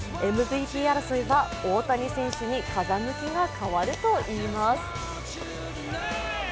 ＭＶＰ争いは大谷選手に風向きが変わるといいます。